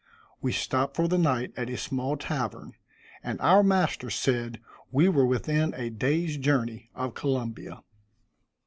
We stopped for the night at a small tavern, and our master said we were within a day's journey of Columbia.